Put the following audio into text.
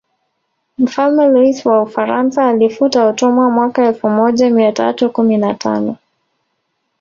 Mfalme Luis wa Ufaransa alifuta utumwa mwaka elfu moja mia tatu kumi na tano